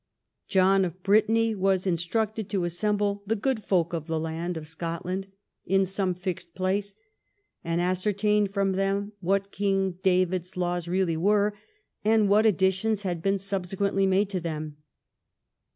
John of Brittany was instructed to assemble the " good folk of the land " of Scotland in some fixed place and ascertain from them what King David's laws really Avere, and what additions had been subsequently made to them.